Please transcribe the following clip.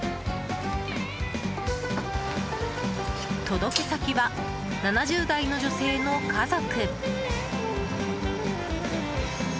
届け先は、７０代の女性の家族。